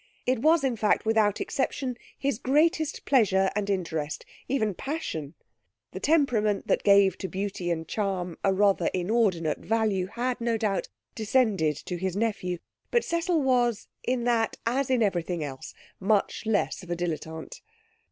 It was, in fact, without exception, his greatest pleasure, and interest even passion. The temperament that gave to beauty and charm a rather inordinate value had, no doubt, descended to his nephew. But Cecil was, in that as in everything else, much less of a dilettante.